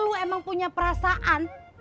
lu emang punya perasaan